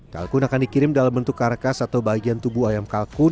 kalkun akan dikirim dalam bentuk karkas atau bagian tubuh ayam kalkun